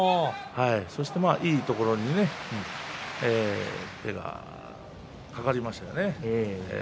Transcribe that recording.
そして、いいところに手が掛かりましたね。